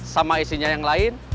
sama isinya yang lain